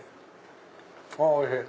あおいしい！